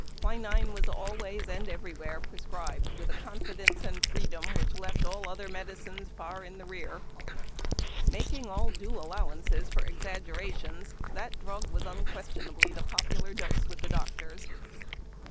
Quinine was ahvays and everywhere prescribed with a confidence and freedom wliich left all other medicines far in the rear. Making all due allowances for exaggera tions, that drug was unquestionably the popular dose with the doctors.